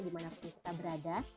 di mana pun kita berada